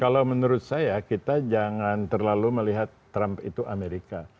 kalau menurut saya kita jangan terlalu melihat trump itu amerika